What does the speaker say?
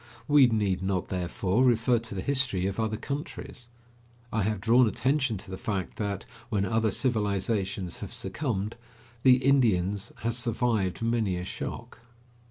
We need not, therefore, refer to the history of other countries. I have drawn attention to the fact that, when other civilizations have succumbed, the Indians has survived many a shock.